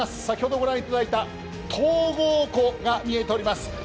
先ほど御覧いただいた東郷湖が見えています。